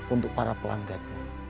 untuk para pelanggan